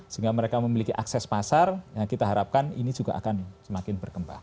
sehingga mereka memiliki akses pasar yang kita harapkan ini juga akan semakin berkembang